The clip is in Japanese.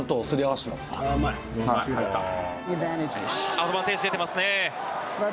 アドバンテージ出てますね。